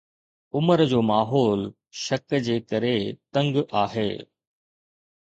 عمر جو ماحول شڪ جي ڪري تنگ آهي